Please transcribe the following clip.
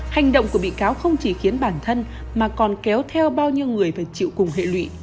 hành động của bị cáo không chỉ khiến bản thân mà còn kéo theo bao nhiêu người phải chịu cùng hệ lụy